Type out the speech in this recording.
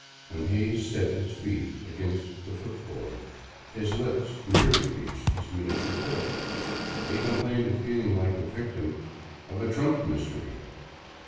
When Hays set his feet against the footboard, his lips nearly reached his miniature pillow. He complained of feeling like the victim of a " trunk mystery.''